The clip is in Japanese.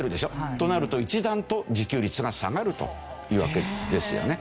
となると一段と自給率が下がるというわけですよね。